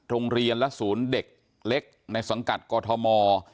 โรงเรียนและศูนย์เด็กเล็กในสังกัดกอทม